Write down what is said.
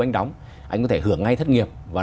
anh đóng anh có thể hưởng ngay thất nghiệp và